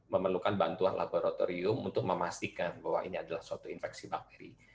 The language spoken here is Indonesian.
memerlukan bantuan laboratorium untuk memastikan bahwa ini adalah suatu infeksi bakteri